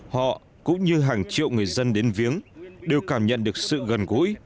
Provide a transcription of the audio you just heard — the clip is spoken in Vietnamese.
họ cũng như hàng triệu người dân đến viếng đều cảm nhận được sự gần gũi